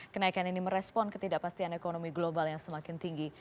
kenaikan ini merespon ketidakpastian ekonomi global yang semakin tinggi